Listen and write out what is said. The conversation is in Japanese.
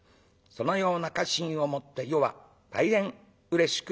そのような家臣を持って余は大変うれしく思う。